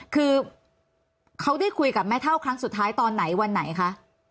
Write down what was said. คือเขาได้คุยกับแม่เท่าครั้งสุดท้ายตอนไหนวันไหนคะ